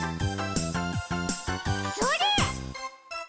それ！